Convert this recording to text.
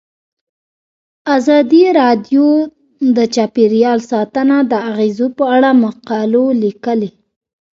ازادي راډیو د چاپیریال ساتنه د اغیزو په اړه مقالو لیکلي.